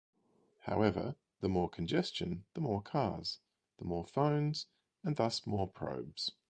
However, the more congestion, the more cars, the more phones and thus more probes.